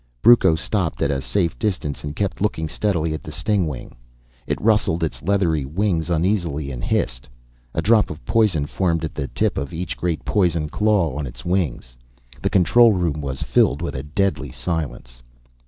Brucco stopped at a safe distance and kept looking steadily at the stingwing. It rustled its leathery wings uneasily and hissed. A drop of poison formed at the tip of each great poison claw on its wings. The control room was filled with a deadly silence.